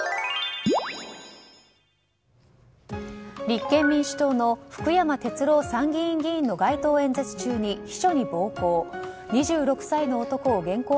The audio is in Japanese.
立憲民主党の福山哲郎参議院議員の街頭演説中に秘書に暴行。